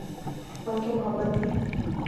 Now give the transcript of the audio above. بلکہ محبت تھی